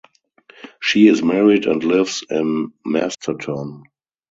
She is married and lives in Masterton.